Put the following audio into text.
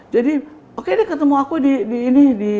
jadi oke deh ketemu aku di